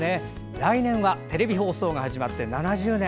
来年はテレビ放送が始まって７０年。